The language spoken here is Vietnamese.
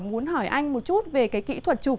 muốn hỏi anh một chút về cái kỹ thuật chụp